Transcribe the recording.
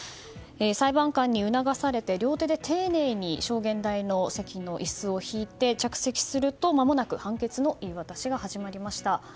裁判官に促されて両手で丁寧に証言台の席の椅子を引いて着席すると、まもなく判決の言い渡しが始まりました。